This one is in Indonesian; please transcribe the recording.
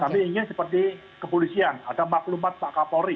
kami ingin seperti kepolisian ada maklumat pak kapolri